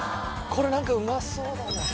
これなんかうまそうだな。